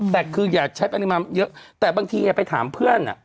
แต่คืออย่าใช้ปริมาณเยอะแต่บางทีไปถามเพื่อน